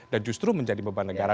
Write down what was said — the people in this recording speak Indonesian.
dan justru menjadi beban negara